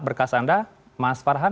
berkas anda mas farhan